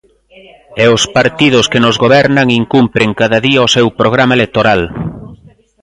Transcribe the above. E os partidos que nos gobernan incumpren cada día o seu programa electoral.